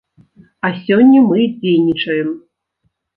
А сёння мы дзейнічаем.